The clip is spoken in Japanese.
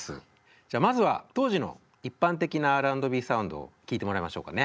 じゃあまずは当時の一般的なＲ＆Ｂサウンドを聴いてもらいましょうかね。